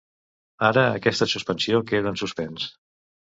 Ara aquesta suspensió queda en suspens.